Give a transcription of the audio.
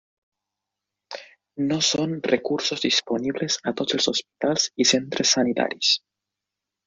No són recursos disponibles a tots els hospitals i centres sanitaris.